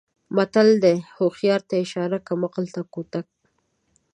متل دی: هوښیار ته اشاره کم عقل ته کوتک.